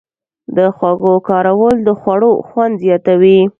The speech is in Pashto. د خوږو کارول د خوړو خوند زیاتوي.